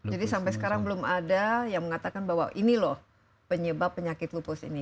jadi sampai sekarang belum ada yang mengatakan bahwa ini loh penyebab penyakit lubus ini